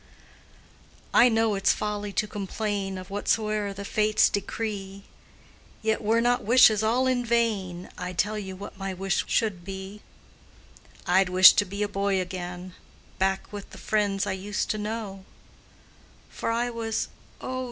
I know it's folly to complain Of whatsoe'er the Fates decree; Yet were not wishes all in vain, I tell you what my wish should be: I'd wish to be a boy again, Back with the friends I used to know; For I was, oh!